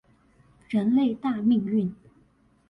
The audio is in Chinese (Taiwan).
人類大命運